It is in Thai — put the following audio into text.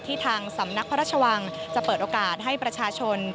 ทางสำนักพระราชวังจะเปิดโอกาสให้ประชาชน